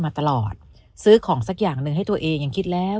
มาตลอดซื้อของสักอย่างหนึ่งให้ตัวเองยังคิดแล้ว